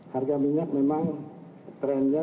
harga minyak memang trendnya